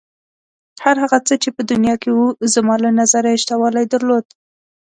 هر هغه څه چې په دنیا کې و زما له نظره یې شتوالی درلود.